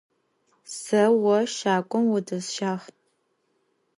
Se vo şagum vudesşağ.